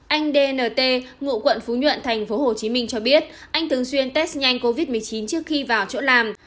anh dnt ngụ quận phú nhuận tp hcm cho biết anh thường xuyên test nhanh covid một mươi chín trước khi vào chỗ làm